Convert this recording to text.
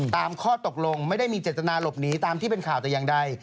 ข้อตกลงไม่ได้มีเจตนาหลบหนีตามที่เป็นข่าวแต่อย่างใด